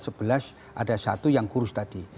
sebelas ada satu yang kurus tadi